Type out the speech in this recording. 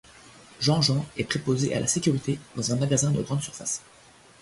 Jean-Jean est préposé à la sécurité dans un magasin de grande surface.